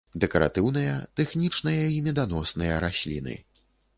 Дэкаратыўныя, тэхнічныя і меданосныя расліны.